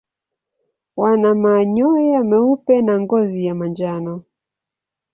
Wana manyoya meupe na ngozi ya manjano.